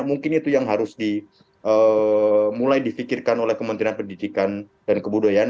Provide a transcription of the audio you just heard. mungkin itu yang harus mulai difikirkan oleh kementerian pendidikan dan kebudayaan